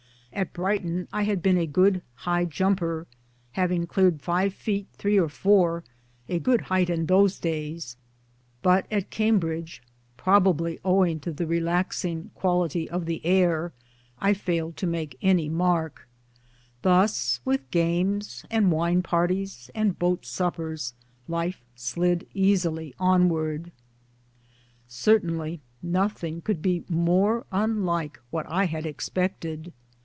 At Brighton I had been a good high jumper, having cleared 5 ft. 3 or 4, a good height in those days but at Cambridge, probably owing to the relaxing quality of the air, I failed to make any mark. Thus, with games and wine parties and boat suppers, life slid easily onward. Certainly nothing could be more unlike what I had expected.